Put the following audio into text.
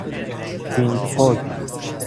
ویندهوک